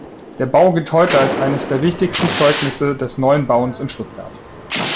Der Bau gilt heute als eines der wichtigsten Zeugnisse des "Neuen Bauens" in Stuttgart.